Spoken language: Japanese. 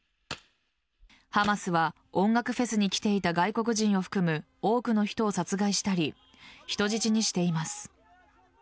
ハマスは、音楽フェスに来ていた外国人を含む多くの人を殺害したり人質にしています。